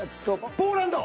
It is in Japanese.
ポーランド！